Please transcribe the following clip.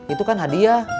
itu kan hadiah